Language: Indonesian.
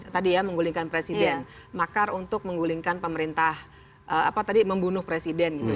tadi ya menggulingkan presiden makar untuk menggulingkan pemerintah apa tadi membunuh presiden gitu